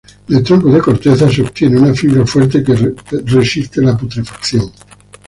El tronco de corteza se obtiene una fibra fuerte que resiste la putrefacción.